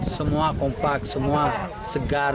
semua kompak semua segar